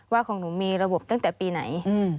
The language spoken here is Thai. ของหนูมีระบบตั้งแต่ปีไหน